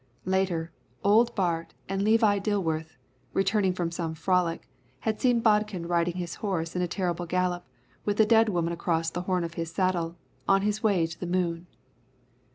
Later, old Bart and Levi Dillworth, returning from some frolic, had seen Bodkin riding his horse in a terrible gallop, with the dead woman across the horn of his saddle, on his way to the moon.